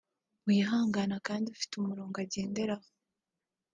wihangana kandi ufite umurongo agenderaho